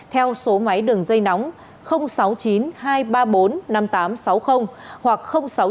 theo số máy đường dây nóng sáu mươi chín hai trăm ba mươi bốn năm nghìn tám trăm sáu mươi hoặc sáu mươi chín hai trăm ba mươi hai một nghìn sáu trăm sáu mươi